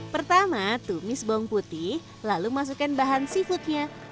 pertama tumis bawang putih lalu masukkan bahan seafoodnya